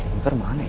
sampai identify ya